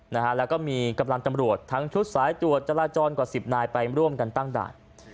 นะฮะแล้วก็มีกำลังตำรวจทั้งชุดสายตรวจจราจรกว่าสิบนายไปร่วมกันตั้งด่าน